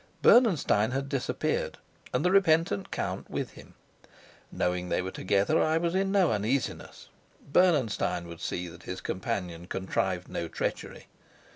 Bernenstein had disappeared, and the repentant count with him: knowing they were together, I was in no uneasiness; Bernenstein would see that his companion contrived no treachery.